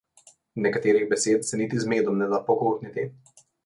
Nekaterih besed se niti z medom ne da pogoltniti.